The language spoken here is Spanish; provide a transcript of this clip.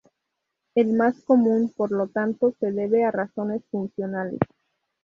El más común, por lo tanto, se debe a razones funcionales.